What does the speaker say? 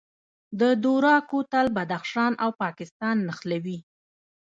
د دوراه کوتل بدخشان او پاکستان نښلوي